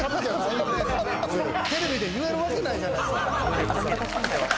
テレビで言えるわけないじゃないですか！